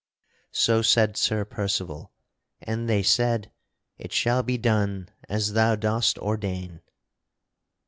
So said Sir Percival, and they said: "It shall be done as thou dost ordain."